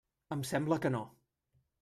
Em sembla que no.